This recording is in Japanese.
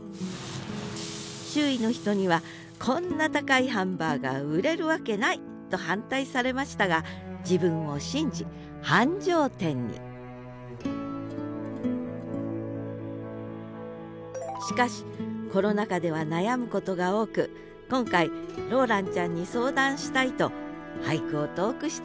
周囲の人には「こんな高いハンバーガー売れるわけない！」と反対されましたが自分を信じ繁盛店にしかしコロナ禍では悩むことが多く今回ローランちゃんに相談したいと俳句を投句したんだ